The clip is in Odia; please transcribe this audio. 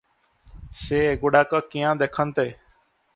ସେ ଏଗୁଡ଼ାକ କିଆଁ ଦେଖନ୍ତେ?